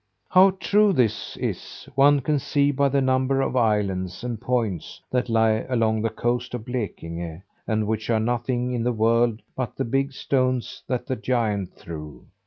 "How true this is, one can see by the number of islands and points that lie along the coast of Blekinge, and which are nothing in the world but the big stones that the giant threw.